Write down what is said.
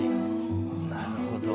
なるほど。